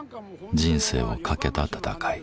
人生をかけた闘い。